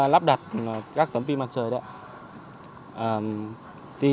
lắp đặt các tấm pin mặt trời đấy